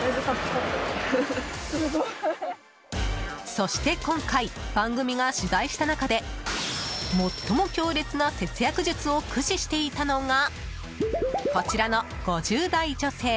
そして今回番組が取材した中で最も強烈な節約術を駆使していたのがこちらの５０代女性。